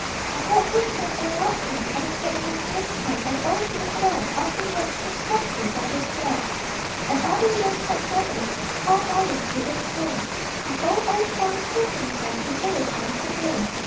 _) I heard her sing, and rock him, And the creak of the swaying chair, And the old dear cadence of the words Came softly down the stair. And all the years had vanished, All folly, greed, and stain The old, old song, the creaking chair, The dearest arms again!